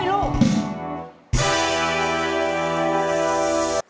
เฮ้ยลูก